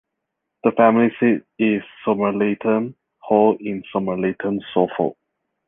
The family seat is Somerleyton Hall in Somerleyton, Suffolk.